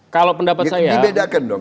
kalau pendapat saya dibedakan dong